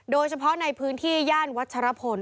โดยเฉพาะในพื้นที่ย่านวัชรพล